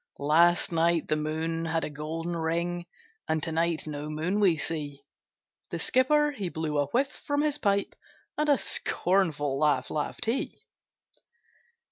'Last night, the moon had a golden ring, And to night no moon we see!' The skipper, he blew a whiff from his pipe, And a scornful laugh laughed he.